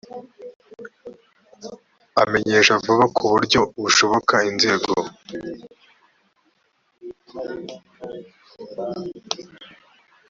amenyesha vuba ku buryo bushoboka inzego